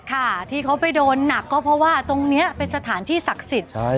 ค่ะที่เขาไปโดนหนักก็เพราะว่าตรงนี้เป็นสถานที่ศักดิ์สิทธิ์